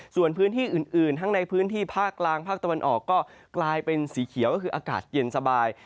ส่วนพื้นที่อื่นทั้งในพื้นที่ภาคกลางภาคตะวันออกก็กลายเป็นสีเขียวก็คืออากาศเย็นสบาย